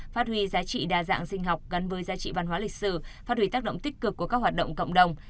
phát huy giá trị đa dạng sinh học gắn với giá trị văn hóa lịch sử phát huy tác động tích cực của các hoạt động cộng đồng